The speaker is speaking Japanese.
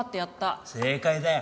正解だよ。